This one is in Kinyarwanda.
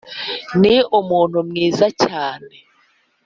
Ni umuntu mwiza cyane